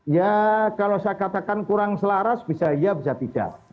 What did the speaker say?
ya kalau saya katakan kurang selaras bisa iya bisa tidak